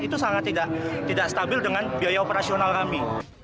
itu sangat tidak stabil dengan biaya operasional kami